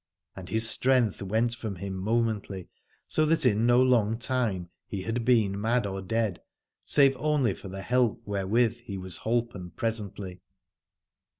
And his strength went from him momently, so that in no long time he had been mad or dead, save only for the help wherewith he was holpen presently.